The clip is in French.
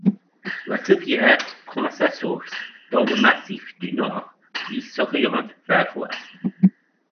La rivière prend sa source dans le Massif du Nord puis s'oriente vers l'Est.